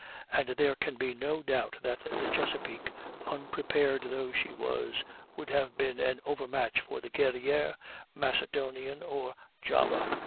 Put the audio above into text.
And there can be no doubt that the Chesapeake, unprepared though she was, would have been an overmatch for the Guerrière, Macedonian, or Java.